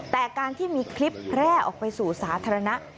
แต่การที่มีคลิปแพร่ออกไปสู่สาธารณะ